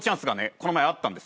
この前あったんです。